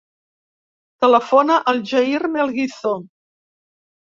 Telefona al Jair Melguizo.